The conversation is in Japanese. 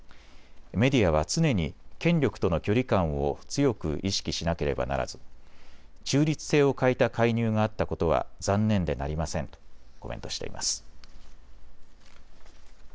メディアは常に権力との距離感を強く意識しなければならず中立性を欠いた介入があったことは残念でなりませんとコメントしています。